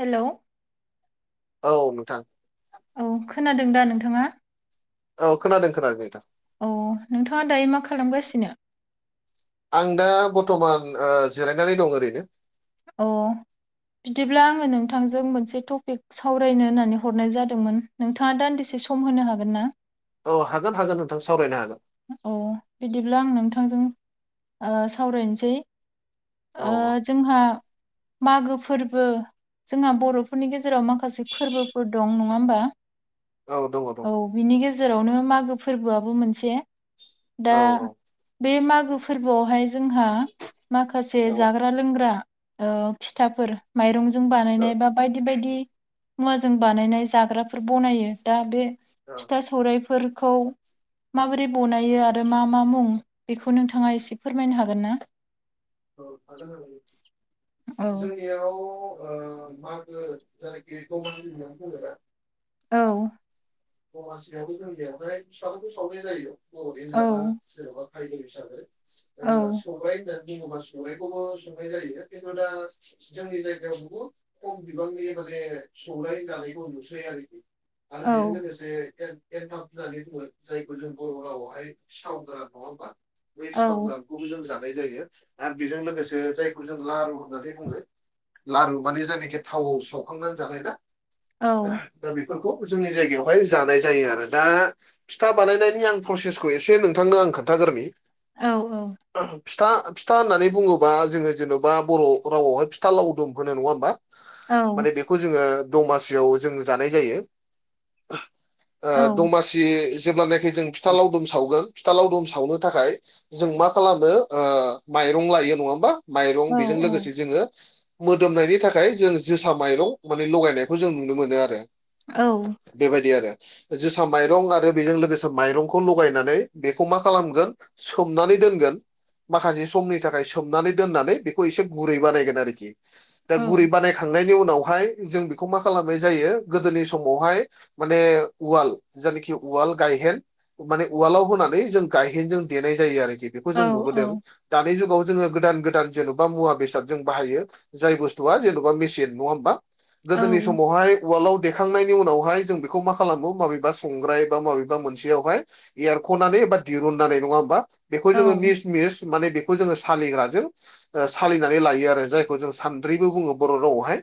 Hello औ नोंथां औ खोनादों दा नोंथाङा औ खोनादों खोनादों नोंथां अ नोंथाङा दायो मा खालामगासिनो आं दा बर्थमान जिरायनानै दं ओरैनो। अ बिदिब्ला आङो नोंथांजों मोनसे टपिक सावरायनो होननानै हरनाय जादोंमोन। नोंथाङा दान्दिसे सम होनो हागोन ना। औ हागोन हागोन नोंथां सावरायनो हागोन। अ बिदिब्ला आं नोंथांजों सावरायनोसै औ ओ जोंहा मागो फोरबो जोंहा बर'फोरनि गेजेराव माखासे फोरबोफोर दं नङा होमबा औ दङ दङ औ बिनि गेजेरावनो मागो फोरबोआबो मोनसे दा औ बे मागो फोरबोआवहाय जोंहा माखासे औ जा औ ग्रा लोंग्रा ओ फिथाफोर माइरंजों बानायनाय बा बायदि बायदि मुवाजों बानायनाय जाग्राफोर बनायो दा बे फिथा सौरायाइफोरखौ माबोरै बनायो आरो मा मा मुं बेखौ नोंथाङा एसे फोरमायनो हागोनना। औ हागोन औ हागोन जोंनि बेलायाव ओ मागो जायखि दमासि होननानै बुंङोना औ दमासियाबो जोंनियाव हाय फिथाखौ सावनाय जायो बर'नि औ जाग्रा जेनेबा खायद हिसाबै सबाय होननानै बुङोबा सबायखौबो संनाय जायो, खिन्थु दा जोंनि जायगायाव बुहुद खम बिबांनि माने संलाय जानायखौ नुसै आरोखि। आरो औ बेजों लोगोसे [unintelligible] होननानै बुङो जायखौ जों बर' रावावहाय स्रावगोरा नङा होमबा। बै औ साव गोरानखौबो जों जानाय जायो आरो बेजों लोगोसे जायखौ जों लारु होननानै बुङो। लारु माने जायनाखि थावाव सौखांनानै जाखायो ना औ दा बेफोरखौ जोंनि जायगायावहाय जानाय जायो आरो दा फिथा बानायनायनि आं प्रसेसखौ एसे नोंथांनो आं खोन्थागोरोनि। औ औ। फिथा फिथा होननानै बुङोबा जोङो जेन'बा बर' रावावहाय फिथा लावदुम होनो नङा होमबा। औ माने बेखौ जोङो दमासियाव जों जानाय जायो। दमासि जेब्लानाखि जों फिथा लावदुम सावगोन फिथा लावदुम सावनो थाखाय जों मा खालामो ओ माइरं लायो नङा होमबा। औ माइरं बिजों लोगोसे जोङो मोदोमनायनि थाखाय जों जोसा माइरं माने लगायनायखौ जों नुनो मोनो आरो। औ। बेबायदि आरो। जोसा माइरं आरो बेजों लोगोसे माइरंखौ लगायनानै बेखौ मा खालामगोन सोमनानै दोनगोन। माखासे समनि थाखाय सोमनानै दोननानै बेखौ एसे गुरै बानायगोन आरोखि। दा गुरै बानायखांनायनि उनावहाय जों बेखौ मा खालामनाय जायो गोदोनि समावहाय माने उवाल, जानखि उवाल गायहेन माने उवालाव होनानै जों गायहेनजों देनाय जायो आरोखि बेखौ औ जों नुबोदों। दानि जुगाव जोङो गोदान गोदान जेन'बा मुवा बेसाद जों बाहायो। जाय बुस्थुआ जेन'बा मेसिन नङा होमबा। गोदोनि समावहाय उवालआव देखांनायनि उनावहाय जों बेखौ मा खालामो माबेबा संग्राय बा माबेबा मोनसेयावहाय एरख'नानै एबा दिरुननानै नङा होमबा बेखौ जोङो मिस मिस माने बे खौ जोङो सालिग्राजों ओ सालिनानै लायो आरो जायखौ जों सानद्रिबो बुङो बर' रावआवहाय।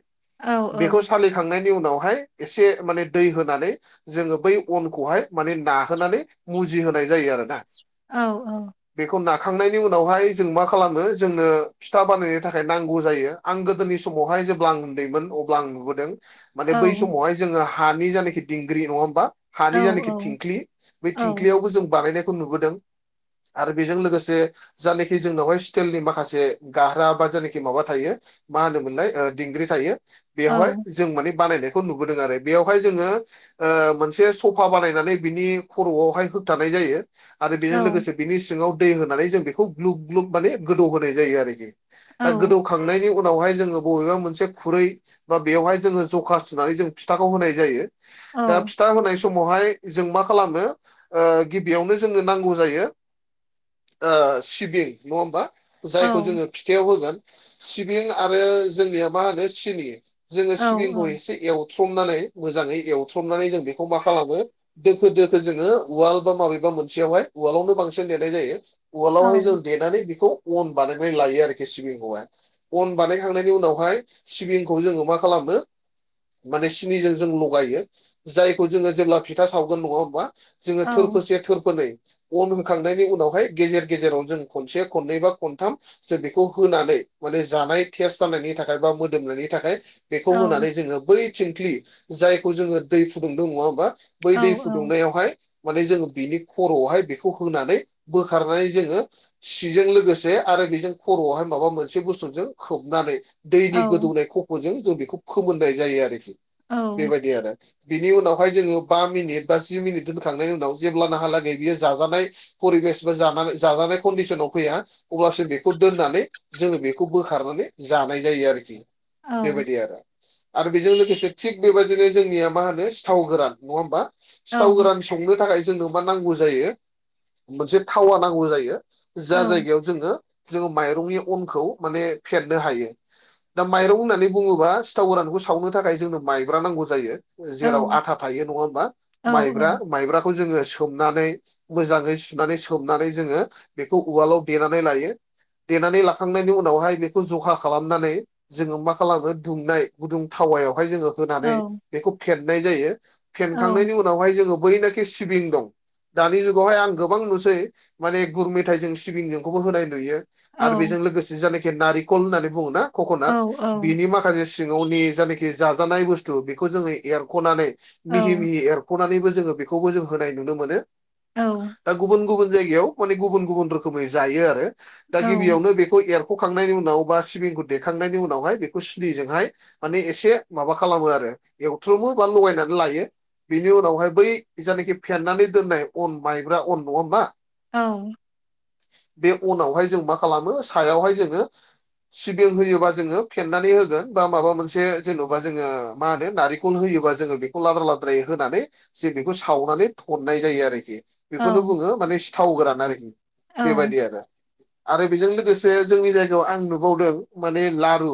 बेखौ सालिखांनायनि उनावहाय एसे माने दै होनानै जोङो बै अनखौहाय माने नाहोनानै मुजिहोनाय जायो आरोना। औ औ। बेखौ नाखांनायनि उनावहाय जों मा खालामो जोंनो फिथा बानायनो थाखाय नांगौ जायो। आं गोदोनि समावहाय जेब्ला आं उन्दैमोन अब्ला आं नुबोदों। औ माने बै समावहाय जोङो हानि जायनााखि दिंग्रि नङा होमबा? औ हानि जानाखि थिंख्लि बे औ थिंख्लियावबो जों बानायनायखौ नुबोदों। आरो बेजों लोगोसे जानाखि जोंनावहाय स्टिलनि माखासे गाह्रा बा जानाखि माबा थायो मा होनोमोनलाय ओ दिंग्रि थायो औ बेवहाय जों माने बानायनायखौ नुबोदों आरो। बेयावहाय जोङो ओ मोनसे सफा बानायनानै बिनि खर'आवहाय होबथानाय जायो। आरो औ बेजों लोगोसे बिनि सिङाव दै होनानै जों बेखौ ग्लुब ग्लुब माने गोदौ होनाय जायो आरोखि। औ दा गोदौ खांनायनि उनावहाय जोङो बबेबा मोनसे खुरै बा बेयावहाय जोङो जखा जुनानै जों फिथाखौ होनाय जायो दा औ फिथा होनाय सम समावहाय जों मा खालामो ओ गिबियावनो जोंनो नांगौ जायो ओ सिबिं नङा होमबा? औ जायखौ जोङो फिथायाइाव होगोन सिबिं आरो जोंनिया मा होनो सिनि जोङो औ सिबिंखौ एसे एवथ्रमनानै मोजाङै एवथ्रमनानै जों बेखौ मा खालामो दोखो दोखो जोङो उवाल बा माबेबा मोनसेयावहाय उवालावनो बांसिन देरनाय जायो। औ उवालावहाय जों देनानै बेखौ अन बानायनानै लायो आरोखि सिबिंखौहाय। अन बानायखांनायनि उनावहाय सिबिंखौ जोङो मा खालामो माने सिनिजों जों लगायो जायखौ जोङो जेब्ला फिथा सावगोन नङा होमबा? जोङो थोरफोरसे थोरफोनै अन होखांनायनि उनावहाय गेजेर गेजेराव जों खनसे खननै बा खनथाम जों बेखौ होनानै माने जानाय टेस जानायनि थाखाय बा मोदोमनायनि थाखाय। बेखौ होनानै जोङो बै थिंख्लि जायखौ जोङो दै फुदुंदों नङा होमबा? बै दै फुदुंनायावहाय माने जोङो बिनि खर'आवहाय बेखौ होनानै बोखारनानै जोङो सिजों लोगोसे आरो बेजों खर'आवहाय माबा मोनसे बुस्थुजों खोबनानै दैनि गोदौनाय खफ'जों जों बेखौ फोमोननाय जायो आरोखि बेबायदि आरो। बिनि उनावहाय जोङो बा मिनिट बा जि मिनिट दोनखांनायनि उनाव जेब्लानहालागै बियो जाजानाय परिबेस बा ज जानाय कन्डिसनाव फैया अब्लासो बे खौ दोननानै जोङो बेखौ बोखारनानै जानाय जायो आरोखि बेबायदि आरो। आरो बेजों लोगोसे थिग बेबायदिनो जोंनिया मा होनो सिथाव गोरान नङा होमबा? सिथाव गोरान संनो थाखाय जोंनो मा नांगौ जायो मोनसे थावा नांगौ जायो। जा जायगायाव जोङो जोङो माइरंनि अनखौ माने फेेरनो हायो। दा माइरं होननानै बुङोबा सिथाव गोरानखौ सावनो थाखाय जोंनो माइब्रा नांगौ जायो जेराव आथा थायो नङा हबा औ मब्रा-मब्रा। खौ जोङो सोमनानै। मोजाङै सुनानै सोमनानै जोङो बेखौ उवालाव देनानै लायो। देनानै लाखांनायनि उनावहाय बेखौ जखा खालामनानै जोङो मा खालामो दुंनाय गुदुं थावायावहाय जोङो औ होनानै बेखौ फेननाय जायो। फेनखांनायनि उनावहाय जोङो बैनो खि सिबिं दं। दानि जुगावहाय आं गोबां नुसै माने गुर मेथाइजों सिबिंजोंखौबो होनाय नुयो। आरो बेजों लोगोसे जायनाखि नारिखल होननानै बुङो ना कक'नाट बिनि माखासे सिङावनि जायेखि जाजानाय बुस्थु बेखौ जोङो एरख'नानै मिहि मिहि एर ख'नानैबो जोङो बेखौबो जों होनाय नुनो मोनो दा गुबुन गुबुन जायगायाव। माने गुबुन गुबुन रोखोमै जायो आरो दा गिबियावनो बेखौ एर ख'खांनायनि उनाव बा सिबिंखौ देखांनायनि उनावहाय बेखौ सिनिजोंहाय माने एसे माबा खालामो आरो एवथ्र'मो बा लगायनानै लायो। बिनि उनावहाय बै जायानखि फेनानै दोननाय अन माइब्रा अन नङा होमबा? औ। बे अनावहाय जों मा खालामो सायावहाय जोङो सिबिं होयोबा जोङो फेेननानै होगोन बा माबा मोन से जेन'बा जोङो मा होनो नारेंखल होयोा जोङो बेखौ लाद्रा-लाद्रायै होनानै जे बेखौ सावनानै थननाय जायो आरोखि। बेखौनो बुङो माने सिथाव गोरान आरोखि बेबायादि आरो। आरो बेजों लोगोसे जोंनि जायगायाव आं नुबावदों माने लारु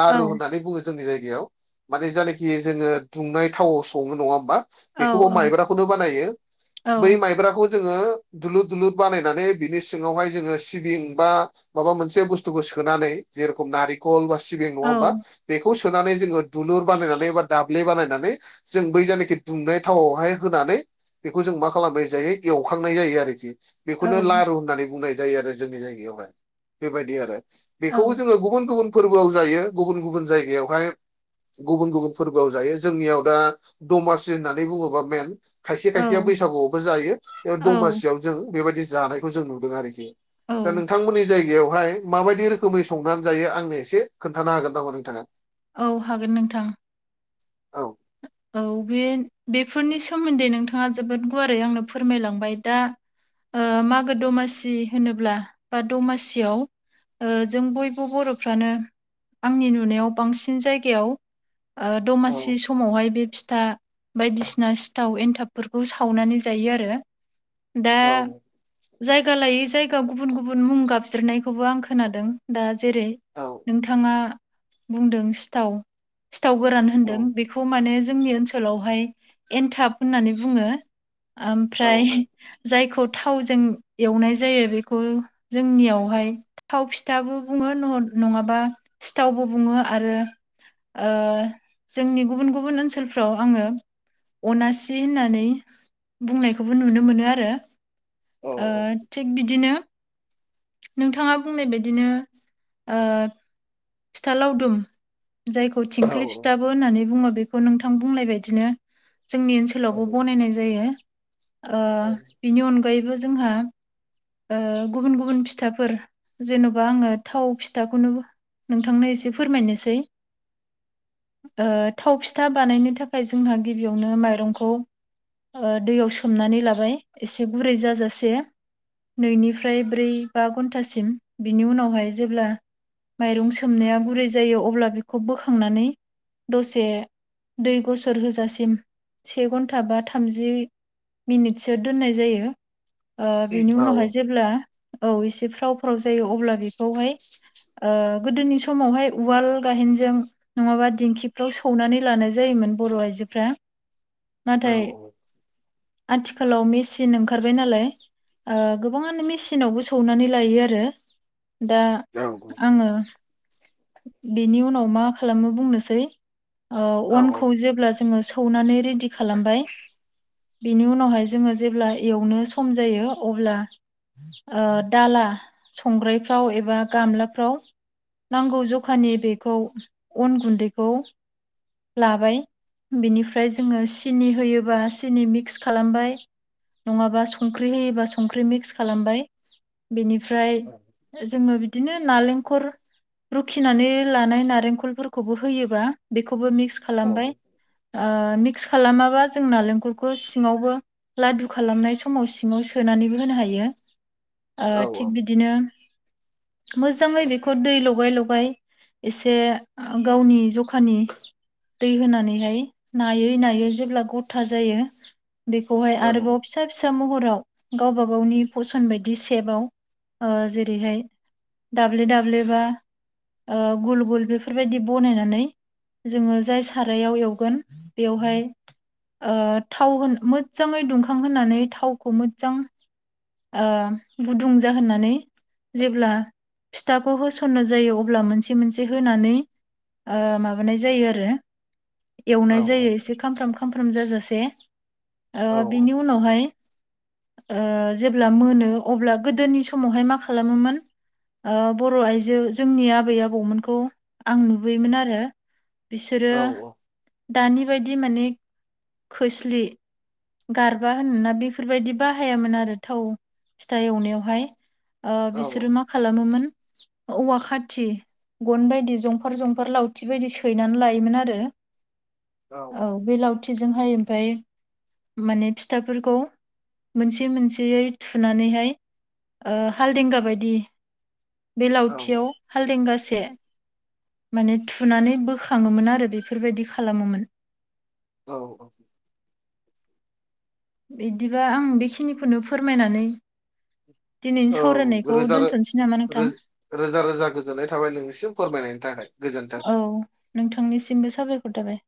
लारु होननानै बुङो। जोंनि जायगायाव माने जायनाखि जोङो दुंनाय थावाव सङो नङा होमबा? बेखौबो माइब्राखौनो बानायो बै माइब्राखौ जोङो दुलुर दुलुर बानायनानै बिनि सिङावहाय जोङो सिबिं बा माबा मोनसे बुस्थुखौ सोनानै जेरखम नारेंखल बा सिबिं नङा होमबा? बेखौ सोनानै जोङो दुलुर बानायनानै बा दाबले बानायनानै जों बै जानाखि दुंनाय थावआवहाय होनानै बेखौ जों मा खालामबाय जायो एवखांनाय जायो आरोखि। बेखौनो लारु होननानै बुंनाय जायो आरो जोंनि जायगायावहाय बेबायदि आरो। बेखौ जोङो गुबुन-गुबुन फोरबोआव जायो गुबुन-गुबुन जायगायावहाय। गुबुन-गुबुन फोरबोआव जायो जोंनियाव दा दमासि होननानै बुङोबा मेन। खायसे खायसेया बैसागुआवबो जायो दमासियाव जों बेबायदि जानायखौ जों नुदों आरोखि। दा नोंथांमोननि जायगायावहाय माबायदि रोखोमै संनानै जायो आंनो एसे खोन्थानो हागोन नामा नोंथाङा? औ हागोन नोंथां। औ औ बे बेफोरनि सोमोन्दै नोंथाङा जोबोद गुवारै आंनो फोरमायलांबाय दा ओ-मागो दमासि होनोब्ला बा दमासियाव ओ-जों बयबो बर'फ्रानो आंनि नुनायाव बांसिन जायगायाव -' औ ओ-दमासि समावहाय। बे फिथा बायदिसिना सिथाव एन्थाबफोरखौ सावनानै जायो आरो। दा औ जायगा लायै जायगायाव गुबुन गुबुन मुं गाबज्रिनायखौबो आं खोनादों दा जेरै- औ नोंथाङा बुंदों सिथाव सिथाव गोरान होनदों बेखौ माने जोंनि ओनसोलावहाय एनथाब होननानै बुङो। औ ओमफ्राय जायखौ थावजों एवनाय जायो बेखौ जोंनियावहाय थाव फिथाबो बुङो नङाबा सिथावबो बुङो आरो। ओ- जोंनि गुबुन गुबुन ओनसो ओनसोलफ्राव आङो अनासि होननानै बुंनायखौबो नुनो मोनो आरो। औ ओ-थिग बिदिनो नोंथाङा बुंनाय बायदिनो ओ- फिथा लावदुम जायखौ औ थिंख्लि औ फिथाबो होननानै बुङो बे खौ नोंथां बुंनाय बायदिनो जोंनि ओनसोलावबो बनायनाय जायो। ओ- बिनि अनगायैबो जोंहा। ओ-गुबुन गुबुन फिथाफोर जेन'बा आङो थाव फिथाखौनो बु नोंथांनो एसे फोरमायनोसै। ओ-थाव फिथा बानायनो थाखाय जोंहा गिबियावनो माइरंखौ ओ-दैयाव सोमनानै लाबाय एसे गुरै जाजासे। नैनिफ्राय ब्रै बा घन्टासिम बिनि उनावहाय जेब्ला - माइरं सोमनाया गुरै जायो अब्ला बेखौ बोखांनानै दसे दै गसोर होजासिम से घन्टा बा थामजि मिनिटसो दोननाय जायो। ओ-बेनि उनावहाय जेब्ला औ एसे फ्राव फाव जायो अब्ला बेखौहाय ओ-गोदोनि समावहाय उवाल गाहेनजों नङाबा दिंखिफ्राव सौनानै लानाय जायोमोन बर' आइजोफ्रा। नाथाय आथिखालाव मेसिन ओंखारबाय नालाय। ओ-गोबाङानो मेसिनावबो सौनानै लायो आरो दा। औ। आङो। बेनि उनाव मा खालामो बुंनोसै। ओ-अनखौ जेब्ला जोङो सो सौनानै रेडि खालामबाय। बिनि उनावहाय जोङो जेब्ला एवनो सम जायो अब्ला- ओ-दाला संग्रायफ्राव एबा गामलाफ्राव नांगौ जखानि बेखौ अन गुन्दैखौ। लाबाय बिनिफ्राय जोङो सिनि होयोबा सिनि मिक्स खालामबाय। नङाबा संख्रि होयोबा संख्रि मिक्स खालामबाय बिनिफ्राय जोङो। बिदिनो नालेंखल रुखिनानै लानाय नेंखलफोरखौबो होयोबा बे खौबो मिक्स खालामबाय। ओ-मिक्स खालामाबा जों नालेंखलखौ सिङावबो लादु खालामनाय समाव सिङाव सोनानैबो होनो हायो। थिग बिदिनो मोजाङै बेखौ दै लगाय लगाय। एसे गावनि जखानि दै होनानैहाय नायै नायै जेब्ला गथा जायो बेखौहाय आरोबाव फिसा फिसा फिसा महराव गावबा गावनि फसन बायदि सेबाव ओ-जेरैहाय- दाब्ले दाब्ले बा ओ-गुल गुल बेफोरबायदि बनायनानै जोङो जाय सारायाव एवगोन बेवहाय थाव होन मोजाङै दुंखां होनानै थावखौ मोजां ओ गुदुं जाहोननानै जेब्ला फिथाखौ होसननो जायो अब्ला मोनसे मोनसे होनानै ओम एवनाय जायो आरो। एवनाय जायो एसे खामफ्राम खामफ्राम जाजासे ओ बिनि उनावहाय जेब्ला मोनो अब्ला गोदोनि समावहाय मा खालामोमोन बर' आइजो जोंनि आबै आबौमोनखौ आं नुबोयोमोन आरो बिसोरो दानि बायदि माने खोस्लि गारबा होनोन ना बेफोरबायदि बाहायामोन आरो थाव फिथा एवनायावहाय। बिसोरो मा खालामोमोन औवा खाथि गन बायदि जंफार जंफार लावथि आथि बायदि सैनानै लायोमोन आरो औ बे लावथिजोंहाय ओमफफ्राय माने फिथाफोरखौ मोनसे मोनसेयै थुनानैहाय हालदिंगा बायदि बे औ औ औ लावथियाव हालदेंगासे माने थुनानै बोखाङोमोन आरो बेफोरबायदि खालामोमोन। औ औ बिदिबा आं बेखिनिखौनो फोरमायनानै औ दिनैनि सावरायनायखौ रोजा दोन्थ'नोसै नामा नोंथां। रोजा रोजा रोजा गोजोननाय थाबाय नोंनिसिम फोरमायनायनि थाखाय गोजोन्थों। औ नोंथांनिसिमबो साबायखर थाबाय